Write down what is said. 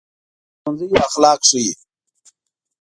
ښوونځی اخلاق ښيي